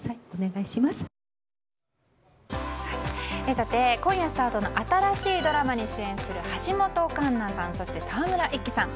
さて、今夜スタートの新しいドラマに主演する橋本環奈さん、沢村一樹さん。